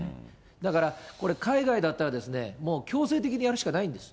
だから、これ、海外だったら、強制的にやるしかないんです。